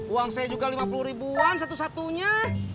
uang saya juga lima puluh ribuan satu satunya